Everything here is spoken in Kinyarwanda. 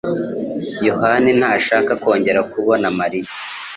Yohani ntashaka kongera kubona Mariya.